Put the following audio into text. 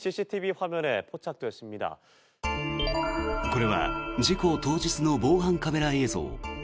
これは事故当日の防犯カメラ映像。